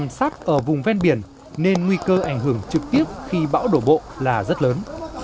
sát ở vùng ven biển nên nguy cơ ảnh hưởng trực tiếp khi bão đổ bộ là rất lớn